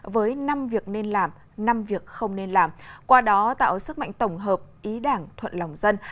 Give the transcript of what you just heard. với năm việc nên làm năm việc không nên làm qua đó tạo sức mạnh tổng hợp ý đảng thuận lòng dân